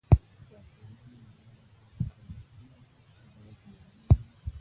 واکمنانو یوازې هغه څه ومنل چې باید منلي وای.